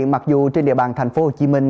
mặc dù trên địa bàn thành phố hồ chí minh